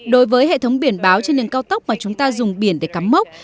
đối với hệ thống biển báo trên đường cao tốc mà chúng ta dùng biển để cắm mốc